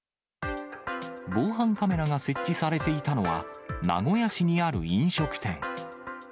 防犯カメラが設置されていたのは、名古屋市にある飲食店。